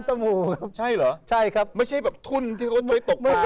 ต้มหูครับใช่เหรอใช่ครับไม่ใช่แบบทุนที่เขาใช้ตกปลา